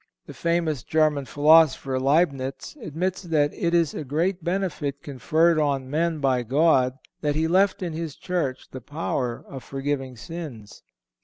The famous German philosopher, Leibnitz, admits that it is a great benefit conferred on men by God that He left in His Church the power of forgiving sins.